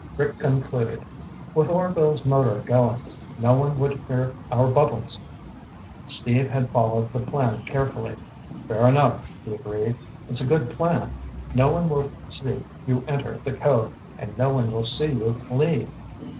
Rick concluded, "With Orvil's motor going, no one would hear our bubbles." Steve had followed the plan carefully. "Fair enough," he agreed. "It's a good plan. No one will see you enter the cove, and no one will see you leave.